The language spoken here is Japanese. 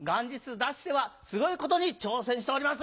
ＤＡＳＨ‼』ではすごいことに挑戦しております。